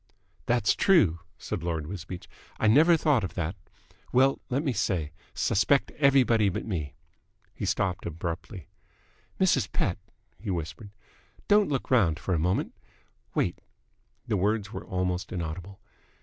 "That's true," said Lord Wisbeach. "I never thought of that. Well, let me say, suspect everybody but me." He stopped abruptly. "Mrs. Pett," he whispered, "don't look round for a moment. Wait." The words were almost inaudible.